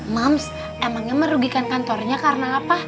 mumps emangnya merugikan kantornya karena apa